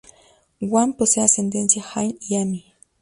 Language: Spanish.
Huang posee ascendencia han y ami.